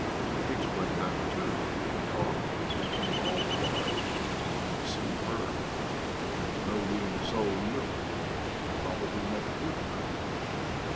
He explained that, too. He talked, thinking all the while that he was going to see her, and no living soul knew of it, and probably never would know.